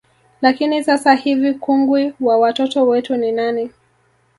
Lakini sasa hivi kungwi wa watoto wetu ni nani